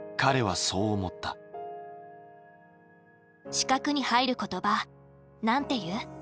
四角に入る言葉なんて言う？